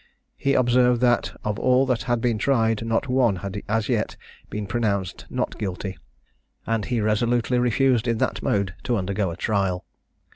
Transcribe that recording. He observed that, of all that had been tried, not one had as yet been pronounced not guilty; and he resolutely refused in that mode to undergo a trial.